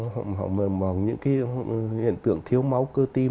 hoặc những cái hiện tượng thiếu máu cơ tim